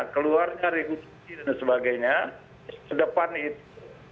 keluarnya regulasi dan sebagainya ke depan itu